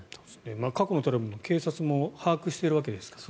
過去のトラブルは、警察も把握しているわけですからね。